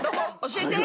教えて！